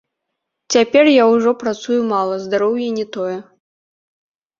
Цяпер я ўжо працую мала, здароўе не тое.